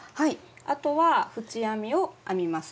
あとは縁編みを編みます。